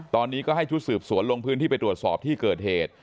ตอนนี้ก็ให้ชุดสืบสวนลงพื้นที่ไปตรวจสอบที่เกิดเหตุ